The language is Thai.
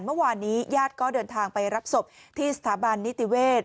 เมื่อวานนี้ญาติก็เดินทางไปรับศพที่สถาบันนิติเวศ